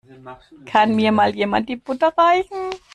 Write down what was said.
Kann mir mal jemand die Butter reichen?